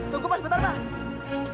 tunggu mas bentar mas